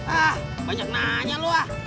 ah banyak nanya loh ah